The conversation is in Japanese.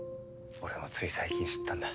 俺もつい最近知ったんだ。